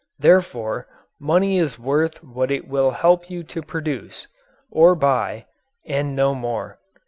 Therefore money is worth what it will help you to produce or buy and no more.